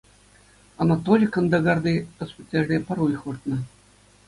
Анатолий Кандагарти госпитальре пӗр уйӑх выртнӑ.